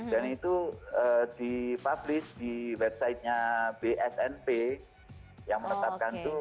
dan itu dipublish di websitenya bsnp yang menetapkan itu